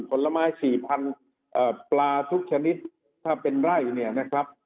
ผลไม้๔๐๐๐ปลาทุกชนิดถ้าเป็นไร่เนี่ยนะครับ